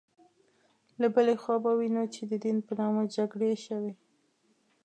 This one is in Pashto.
له بلې خوا به ووینو چې د دین په نامه جګړې شوې.